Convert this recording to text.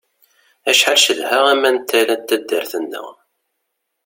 Acḥal cedheɣ aman n tala n taddart-nneɣ!